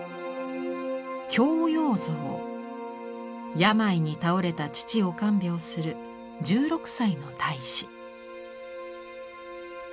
病に倒れた父を看病する１６歳の太子。